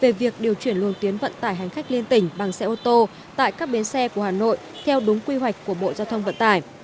về việc điều chuyển luồng tuyến vận tải hành khách liên tỉnh bằng xe ô tô tại các bến xe của hà nội theo đúng quy hoạch của bộ giao thông vận tải